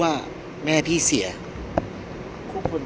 พี่อัดมาสองวันไม่มีใครรู้หรอก